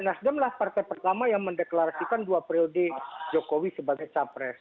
nasdem lah partai pertama yang mendeklarasikan dua periode jokowi sebagai capres